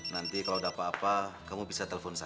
nanti kalau ada apa apa kamu bisa telepon saya